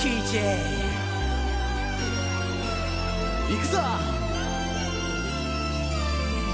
いくぞ！